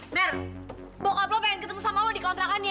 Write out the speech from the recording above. mer bokap lo pengen ketemu sama lo di kontrakannya